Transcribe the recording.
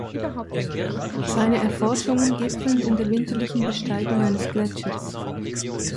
Seine Erforschungen gipfeln in der winterlichen Besteigung eines Gletschers.